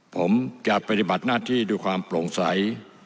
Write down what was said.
ผมจะปฏิบัติหน้าที่ด้วยความโปร่งใส